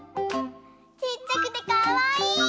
ちっちゃくてかわいい！